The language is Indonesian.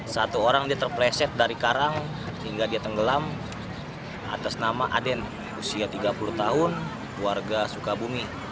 satu orang dia terpleset dari karang sehingga dia tenggelam atas nama aden usia tiga puluh tahun warga sukabumi